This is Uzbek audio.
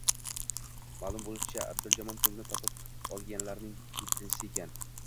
Maʼlum boʻlishicha, Adhamjon pulni topib olganlarning yettinchisi ekan